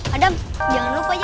adam jangan lupa ya